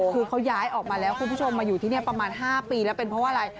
คือเขาย้ายออกมาแล้วคุณผู้ชมมาอยู่ที่นี่ประมาณ๕ปีแล้วเป็นเพราะว่าอะไร